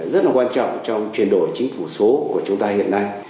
rất là quan trọng trong chuyển đổi chính phủ số của chúng ta hiện nay